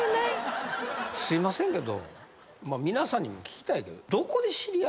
すいませんけど皆さんにも聞きたいけど。